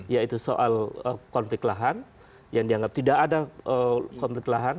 yaitu soal konflik lahan yang dianggap tidak ada konflik lahan